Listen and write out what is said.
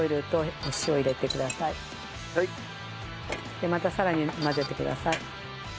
でまたさらに混ぜてください。